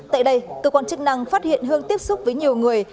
tại đây cơ quan chức năng phát hiện hương tiếp xúc với nhiều người